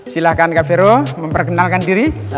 silahkan kak vero memperkenalkan diri